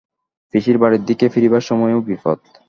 পিসির বাড়ির দিকে ফিরিবার সময়ও বিপদ।